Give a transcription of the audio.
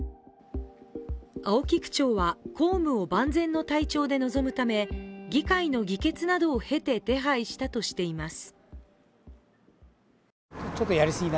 青木区長は公務を万全の体調で臨むため、議会の議決などを経て手配したとしています。